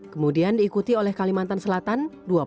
kemudian diikuti oleh kalimantan selatan dua puluh delapan tahun